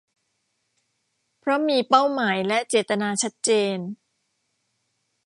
เพราะมีเป้าหมายและเจตนาชัดเจน